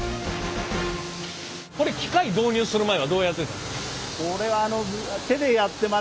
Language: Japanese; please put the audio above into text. これ機械導入する前はどうやってた？